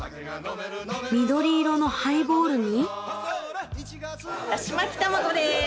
緑色のハイボールに。